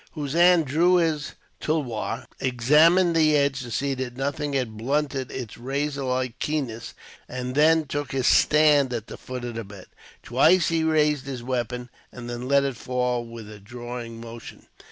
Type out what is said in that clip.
Hossein drew his tulwar, examined the edge to see that nothing had blunted its razor like keenness, and then took his stand at the foot of the bed. Twice he raised his weapon; and then let it fall, with a drawing motion.